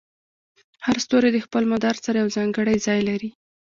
هر ستوری د خپل مدار سره یو ځانګړی ځای لري.